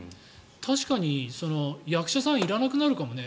確かに役者さんいらなくなるかもね。